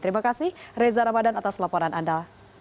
terima kasih reza ramadan atas laporan anda